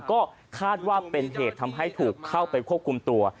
ก็คาดว่าเป็นเหตุทำให้ถูกเข้าไปควบคุมตัว